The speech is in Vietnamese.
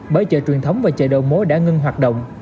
bởi chợ truyền thống và chợ đầu mối đã ngưng hoạt động